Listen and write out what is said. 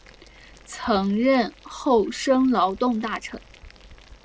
曾任厚生劳动大臣。